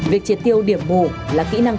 việc triệt tiêu điểm mù là kỹ năng